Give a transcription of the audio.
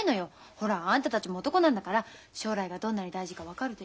ほらあんたたちも男なんだから将来がどんなに大事か分かるでしょ？